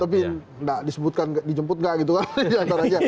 tapi nggak disebutkan dijemput nggak gitu kan